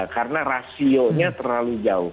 karena rasionya terlalu jauh